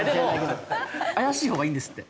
でも怪しいほうがいいんですって。